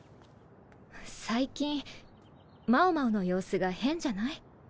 最近猫猫の様子が変じゃない？